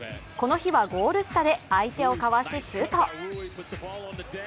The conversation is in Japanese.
この日はゴール下で相手をかわし、シュート。